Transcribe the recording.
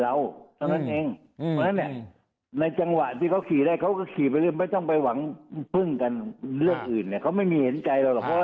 ช่างนั้นในจังหวะที่เขาขี่ซะไม่ต้องไปหวังเรื่องอื่นเขาไม่มีเห็นใจเรา